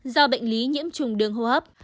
do bệnh lý nhiễm trùng đường hô hấp